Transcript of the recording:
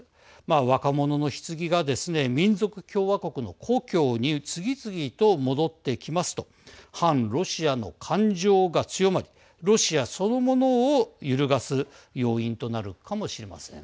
若者のひつぎがですね民族共和国の故郷に次々と戻ってきますと反ロシアの感情が強まりロシアそのものを揺るがす要因となるかもしれません。